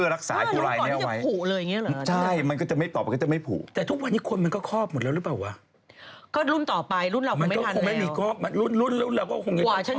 ทีมเข้าไปถึงไหนแล้วเสียเป็นแสน